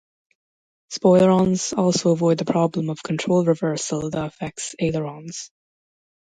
Spoilerons also avoid the problem of control reversal that affects ailerons.